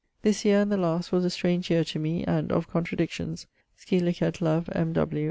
This yeare, and the last, was a strange year to me, and of contradictions; scilicet love M. W.